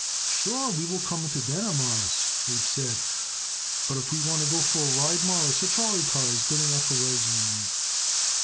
"Sure, we will come to dinner, Mawruss," Abe said, "but if we want to go for a ride, Mawruss, a trolley car is good enough for Rosie and me."